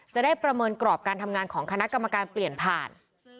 จะได้ประเมินกรอบการทำงานของคณะกรรมการเปลี่ยนผ่าน